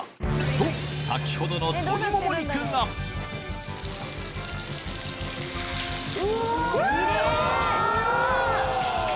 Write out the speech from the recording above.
と先ほどの鶏もも肉がうわ！